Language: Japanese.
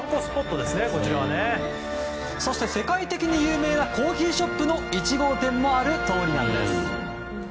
そして、世界的に有名なコーヒーショップの１号店もある通りなんです。